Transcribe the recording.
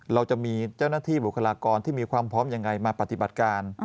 เราจะมีเจ้าหน้าที่บุคลากรที่มีความพร้อมยังไงมาปฏิบัติการ